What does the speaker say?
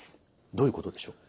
どういうことでしょう？